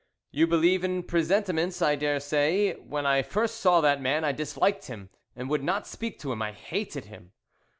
"You believe in presentiments, I daresay. When I first saw that man I disliked him and would not speak to him. I hated him.